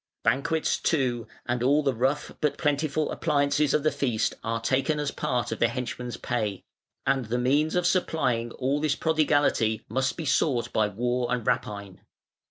Banquets, too, and all the rough but plentiful appliances of the feast are taken as part of the henchman's pay; and the means of supplying all this prodigality must be sought by war and rapine.